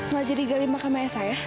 gak jadi gali makamnya saya